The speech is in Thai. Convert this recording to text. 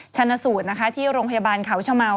ชนะสูตรนะคะที่โรงพยาบาลเขาชะเมา